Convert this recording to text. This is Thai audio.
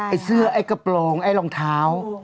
เสื้อไอ้กระโปรงไอ้รองเท้า